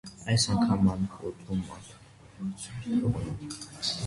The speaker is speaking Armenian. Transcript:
այս անգամ անկոտրում մարդու տպավորություն էր թողնում: